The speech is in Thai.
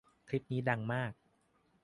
คลิปนี้ดังมาก